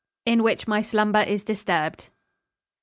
IN WHICH MY SLUMBER IS DISTURBED.